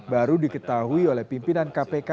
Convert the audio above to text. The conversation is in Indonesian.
baru diketahui oleh pimpinan kpk